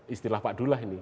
istilah pak dulah ini